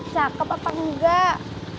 cakep apa enggak